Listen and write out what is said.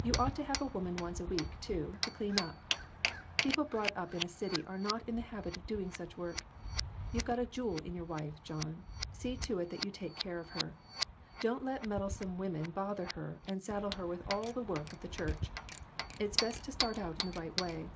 You ought to have a woman once a week, too, to clean up. People brought up in a city are not in the habit of doing such work. You've got a jewel in your wife, John ; see to it that you take care of her. Don't let meddlesome women bother her and saddle her with all the work of the church. It's best to start out in the right way.